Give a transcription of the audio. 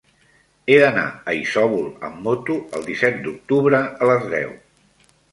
He d'anar a Isòvol amb moto el disset d'octubre a les deu.